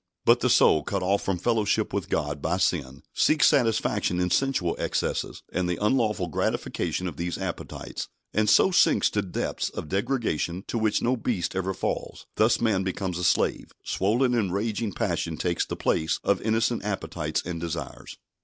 But the soul, cut off from fellowship with God, by sin, seeks satisfaction in sensual excesses, and the unlawful gratification of these appetites, and so sinks to depths of degradation to which no beast ever falls. Thus man becomes a slave; swollen and raging passion takes the place of innocent appetites and desires.